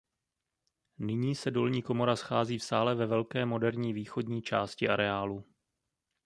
Nyní se dolní komora schází v sále ve velké moderní východní části areálu.